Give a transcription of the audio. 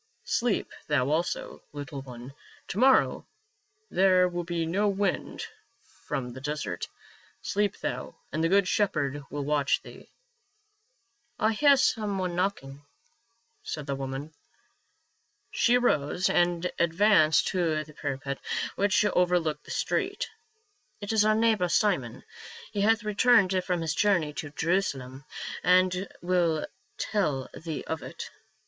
Sleep thou also, little one ; to morrow there will be no wind from the desert. Sleep thou, and the good Shepherd will watch thee." " I hear some one knocking," said the woman. She arose and advanced to the parapet which over looked the street. " It is our neighbor, Simon ; he hath returned from his journey to Jerusalem and will tell thee of it.